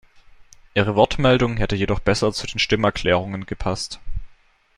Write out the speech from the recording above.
Ihre Wortmeldung hätte jedoch besser zu den Stimmerklärungen gepasst.